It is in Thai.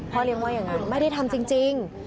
เลี้ยงว่าอย่างนั้นไม่ได้ทำจริง